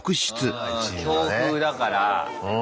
うん強風だから。